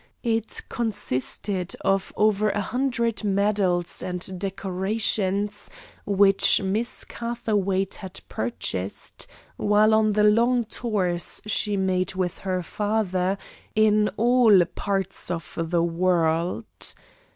It consisted of over a hundred medals and decorations which Miss Catherwaight had purchased while on the long tours she made with her father in all parts of the world.